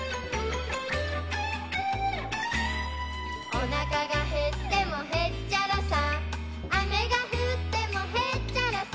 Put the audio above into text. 「おなかがへってもへっちゃらさ」「雨が降ってもへっちゃらさ」